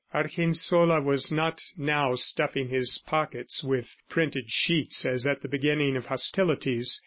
Argensola was not now stuffing his pockets with printed sheets as at the beginning of hostilities.